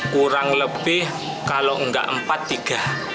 kurang lebih kalau enggak empat tiga